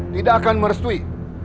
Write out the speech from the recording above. tidak akan merestui